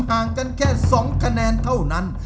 ห่างกันแค่๒คะแนนเท่านั้น